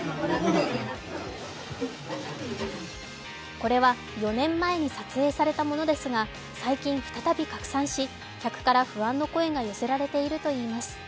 これは４年前に撮影されたものですが、最近、再び拡散し、客から不安の声が寄せられているといいます。